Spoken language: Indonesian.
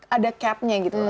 ada capnya gitu loh